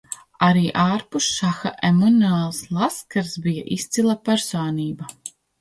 Arī ārpus šaha Emanuels Laskers bija izcila personība.